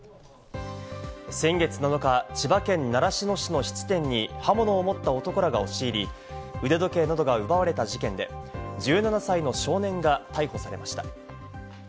先月７日、千葉県習志野市の質店に刃物を持った男らが押し入り、腕時計などが奪われた事件で、１７歳の少年が逮捕されました。